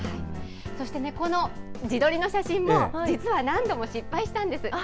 そしてね、この自撮りの写真も実は何度も失敗したんです。